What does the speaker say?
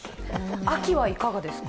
秋はいかがですか？